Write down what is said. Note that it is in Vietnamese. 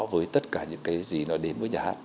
với tất cả những cái gì nó đến với nhà hát